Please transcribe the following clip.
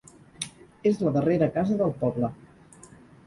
És la darrera casa del poble.